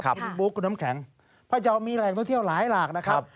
คุณบุ๊คคุณน้ำแข็งพระเจ้ามีแหล่งท่องเที่ยวหลายหลากนะครับ